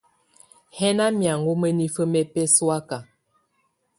Hɛná miáŋɔ́ mǝ́nifǝ́ mɛ bɛ́sɔ̀áka.